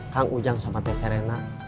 kang ujang sama teh serena